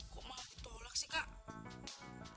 kok malah ditolak sih kak